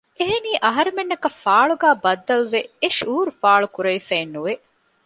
އެހެނީ އަހަރުމެންނަކަށް ފާޅުގައި ބައްދަލުވެ އެ ޝުއޫރު ފާޅު ކުރެވިފައެއް ނުވެ